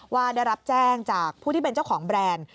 ว่าได้รับแจ้งจากผู้ที่เป็นเจ้าของแบรนด์